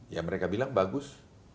ya mereka bilang bagus